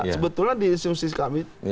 sebetulnya di institusi kami